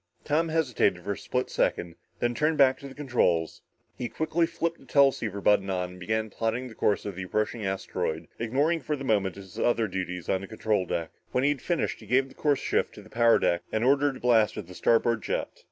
Tom hesitated for a split second, then turned back to the controls. He quickly flipped the teleceiver button on and began plotting the course of the approaching asteroid, ignoring for the moment his other duties on the control deck. When he had finished, he gave the course shift to the power deck and ordered a blast on the starboard jet.